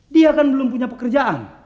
dia kan belum punya pekerjaan